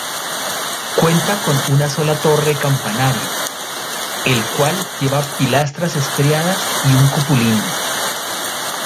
Cuenta con una sola torre campanario, el cual lleva pilastras estriadas y un cupulín.